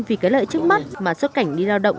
vì cái lợi trước mắt mà xuất cảnh đi lao động